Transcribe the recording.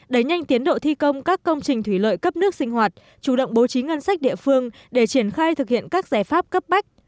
đẩy nhanh tiến độ thi công các công trình thủy lợi cấp nước sinh hoạt chủ động bố trí ngân sách địa phương để triển khai thực hiện các giải pháp cấp bách